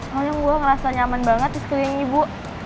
soalnya gue ngerasa nyaman banget di sekeliling ibu